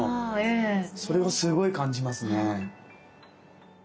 それをすごい感じますね。